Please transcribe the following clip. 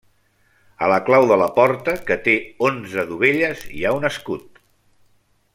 A la clau de la porta, que té onze dovelles, hi ha un escut.